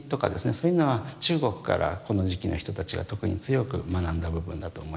そういうのは中国からこの時期の人たちは特に強く学んだ部分だと思います。